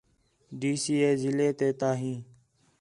ڈی سی ہے ضلع تے تا ہیں